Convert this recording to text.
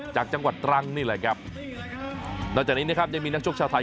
จากจังหวัดตรังนี่แหละครับนอกจากนี้นะครับยังมีนักชกชาวไทย